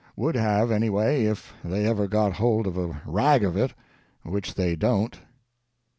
Would have, anyway, if they ever got hold of a rag of it — ^Which they don't.